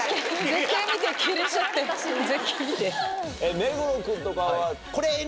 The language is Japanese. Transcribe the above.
目黒君とかはこれ。